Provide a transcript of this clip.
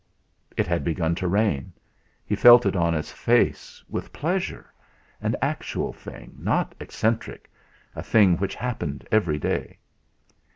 It had begun to rain; he felt it on his face with pleasure an actual thing, not eccentric, a thing which happened every day!